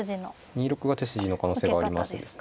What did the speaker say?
２六歩が手筋の可能性がありますね。